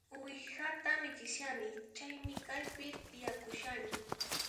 Uwihata michishani, chaymi kaypi tiyakushani